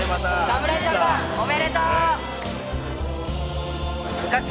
侍ジャパンおめでとう！